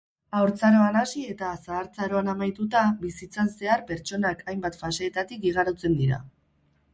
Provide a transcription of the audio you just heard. Haurtzaroan hasi eta zahartzaroan amaituta, bizitzan zehar pertsonak hainbat fasetatik igarotzen dira